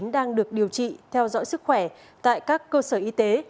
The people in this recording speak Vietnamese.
đang được điều trị theo dõi sức khỏe tại các cơ sở y tế